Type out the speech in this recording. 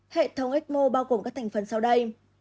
hệ thống ecmo bao gồm các thành phần sau đây